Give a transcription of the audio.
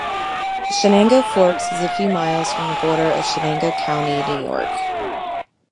Chenango Forks is a few miles from the border of Chenango County, New York.